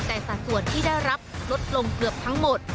แต่สัดส่วนที่ได้รับลดลงเกือบทั้งหมด